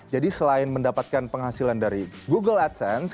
jadi selain mendapatkan penghasilan dari google adsense